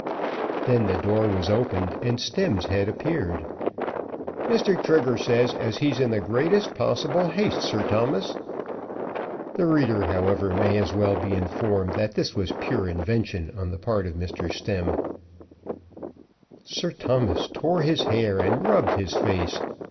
Then the door was opened, and Stemm's head appeared. "Mr. Trigger says as he's in the greatest possible haste, Sir Thomas." The reader, however, may as well be informed that this was pure invention on the part of Mr. Stemm. Sir Thomas tore his hair and rubbed his face.